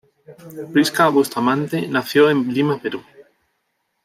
Prisca Bustamante nació en Lima, Perú.